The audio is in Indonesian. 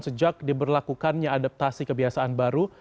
sejak diberlakukannya adaptasi kebiasaan baru